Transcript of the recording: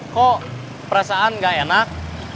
kok perasaan enggak enak